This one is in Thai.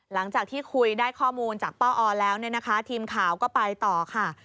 หลังจากที่คุยได้ข้อมูลจากป้าออแล้วเนี่ยนะคะทีมข่าวก็ไปต่อค่ะ